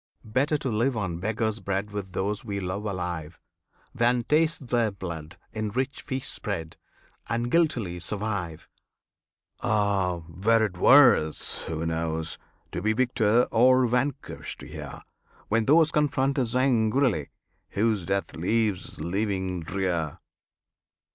Better to live on beggar's bread With those we love alive, Than taste their blood in rich feasts spread, And guiltily survive! Ah! were it worse who knows? to be Victor or vanquished here, When those confront us angrily Whose death leaves living drear?